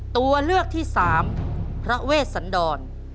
ตัวเลือกที่สามพระเวชสันดร